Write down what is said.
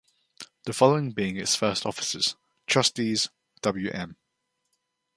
The following being its first officers: Trustees, Wm.